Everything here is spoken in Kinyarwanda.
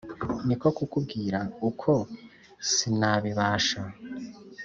niko kukubwira uko sinabibasha